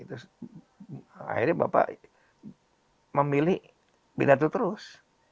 terus akhirnya bapak memilih pidato terus